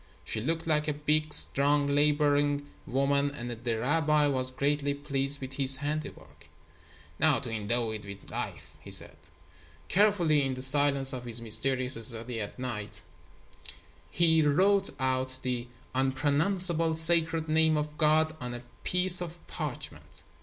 She looked like a big, strong, laboring woman, and the rabbi was greatly pleased with his handiwork. "Now to endow it with life," he said. Carefully, in the silence of his mysterious study at midnight, he wrote out the Unpronounceable Sacred Name of God on a piece of parchment.